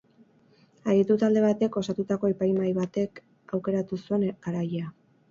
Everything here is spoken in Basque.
Aditu talde batek osatutako epaimahai batek aukeratu zuen garailea.